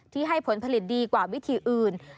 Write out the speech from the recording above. ให้ผลผลิตดีกว่าวิธีอื่น